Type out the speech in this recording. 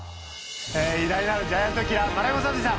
え偉大なるジャイアントキラー丸山さんでした。